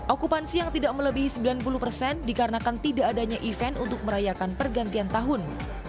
okupansi yang tidak melebihi sembilan puluh persen dikarenakan tidak adanya event untuk merayakan pergantian tahun